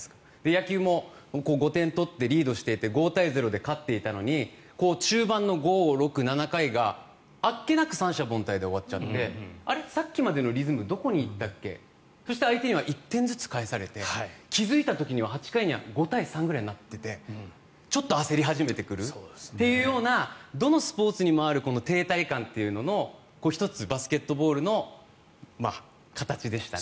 野球も５点取ってリードして５対０で勝っていたのに中盤の５、６、７回があっけなく三者凡退で終わっちゃってさっきまでのリズムどこ行ったっけそしたら相手には１点ずつ返されて気づいた時には８回には５対３ぐらいになっててちょっと焦り始めてくるというどのスポーツにもある停滞感というのの１つ、バスケットボールの形でしたね。